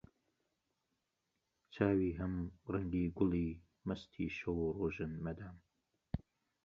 چاوی هەم ڕەنگی گوڵی، مەستی شەو و ڕۆژن مەدام